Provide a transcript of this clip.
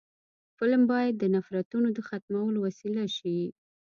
فلم باید د نفرتونو د ختمولو وسیله شي